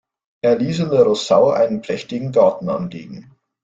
Er ließ in der Rossau einen prächtigen Garten anlegen.